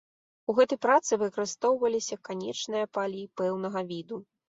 У гэтай працы выкарыстоўваліся канечныя палі пэўнага віду.